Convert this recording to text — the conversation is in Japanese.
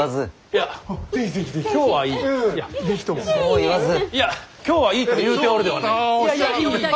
いや今日はいいと言うておるではないか。